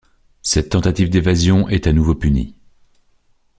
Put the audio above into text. Cette tentative d'évasion est à nouveau punie.